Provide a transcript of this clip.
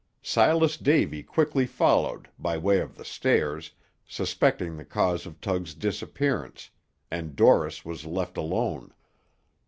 Silas Davy quickly followed, by way of the stairs, suspecting the cause of Tug's disappearance; and Dorris was left alone.